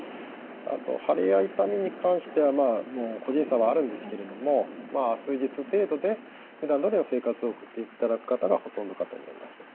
あと腫れや痛みに関しては個人差はあるんですけれども数日程度でふだんどおりの生活を送っていただく方がほとんどかと思います。